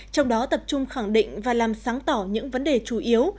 trong đó tập trung khẳng định và làm sáng tỏ những vấn đề chủ yếu